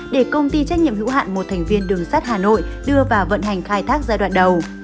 để công ty trách nhiệm hữu hạn một thành viên đường sắt hà nội đưa vào vận hành khai thác giai đoạn đầu